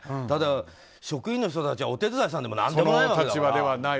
ただ職員の人たちはお手伝いさんでも何でもないわけだから。